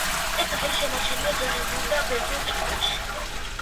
ეს სახელი შემორჩენილია ძველ ინდურ და ბერძნულ ტექსტებში.